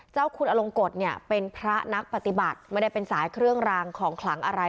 เจ้าคุณอลงกฎเนี่ยเป็นพระนักปฏิบัติไม่ได้เป็นสายเครื่องรางของขลังอะไร